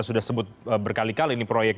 sudah sebut berkali kali ini proyek